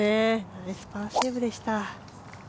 ナイスパーセーブでした。